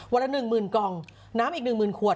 วันละ๑หมื่นกล่องน้ำอีก๑หมื่นขวด